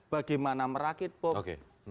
bagaimana merakit pokok